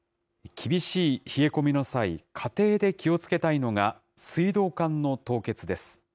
厳しい冷え込みの際、家庭で気をつけたいのが、水道管の凍結です。